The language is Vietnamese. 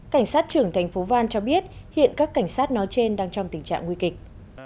cảnh sát trưởng tp van cho biết hiện các cảnh sát nói trên đang trong tình trạng nguy kịch